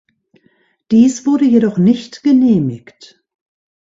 Dies wurde jedoch nicht genehmigt.